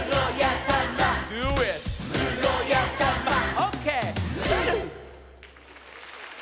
オッケー！